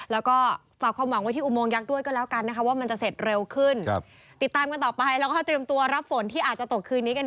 แล้วก็ฝากความหวังไว้อุโมงยักษ์ด้วยก็แล้วกันนะคะ